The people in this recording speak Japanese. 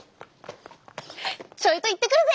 ちょいと行ってくるぜ！